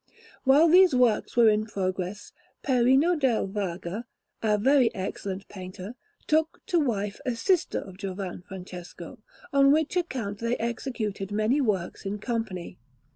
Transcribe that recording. While these works were in progress, Perino del Vaga, a very excellent painter, took to wife a sister of Giovan Francesco; on which account they executed many works in company.